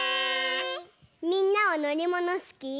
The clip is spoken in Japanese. みんなはのりものすき？